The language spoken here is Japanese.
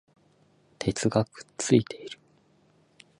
鉄がくっついている